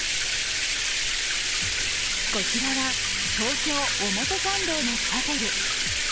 こちらは、東京・表参道のチャペル。